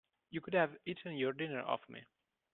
You could have eaten your dinner off me.